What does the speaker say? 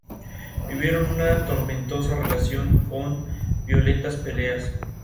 No obstante, ya es demasiado tarde y sólo les queda una opción: desertar.